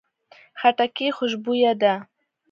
خټکی خوشبویه ده.